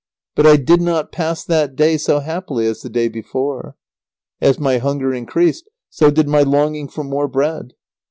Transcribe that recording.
But I did not pass that day so happily as the day before. As my hunger increased, so did my longing for more bread.